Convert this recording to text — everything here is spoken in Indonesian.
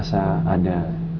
saya enggak tahu pasti karena